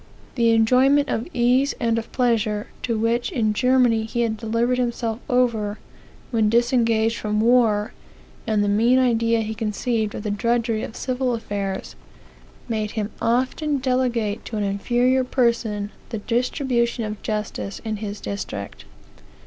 The enjoyment of ease and of pleasure, to which in Germany he had delivered himself over, when disengaged from war, and the mean idea he conceived of the drudgery of civil affairs, made him often delegate to an inferior person the distribution of justice in his district.